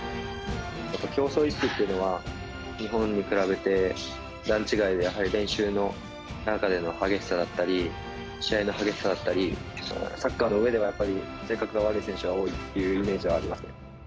競争意識っていうのは、日本と比べて段違いで、練習での激しさだったり、試合の激しさだったり、サッカーのうえではやっぱり性格が悪い選手は多いっていうイメージはありますね。